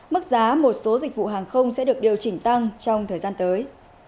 mức giá một số dịch vụ hàng không sẽ được điều chỉnh tăng trong thời gian tới